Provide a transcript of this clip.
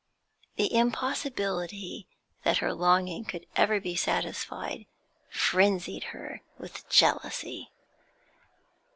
The impossibility that her longing could ever be satisfied frenzied her with jealousy.